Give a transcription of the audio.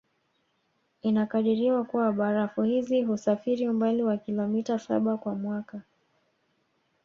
Inakadiriwa kua barafu hizi husafiri umbali wa kilometa saba kwa mwaka